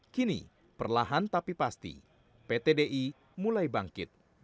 kini perlahan tapi pasti ptdi mulai bangkit